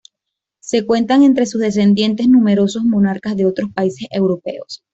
Se cuentan entre sus descendientes numerosos monarcas de otros países europeos.